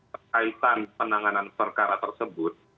perkaitan penanganan perkara tersebut